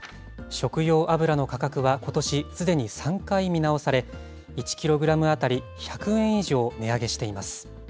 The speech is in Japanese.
食用油の価格はことしすでに３回見直され、１キログラム当たり１００円以上値上げしています。